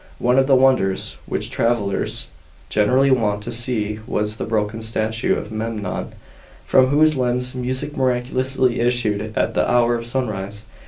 One of the wonders which travellers generally went to see was the broken statue of Memnon, from whose limbs music miraculously issued at the hour of sunrise.